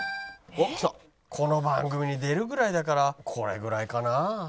この番組に出るぐらいだからこれぐらいかなあ？